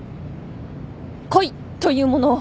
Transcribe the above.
恋というものを。